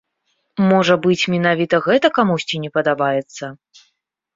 Можа быць, менавіта гэта камусьці не падабаецца?